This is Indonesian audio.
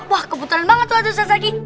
wah kebetulan banget tuh ada ustadz lagi